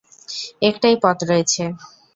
একটাই পথ রয়েছে।